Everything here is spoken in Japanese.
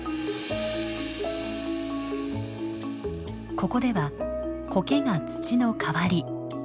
ここではコケが土の代わり。